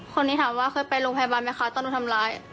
คนนี้ถามว่าเคยไปโรงพยาบาลไหมคะตอนหนูทำร้าย